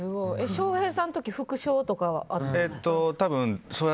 翔平さんの時は副賞とかはあったんですか？